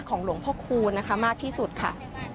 หลวงพ่อคูณนะคะมากที่สุดค่ะ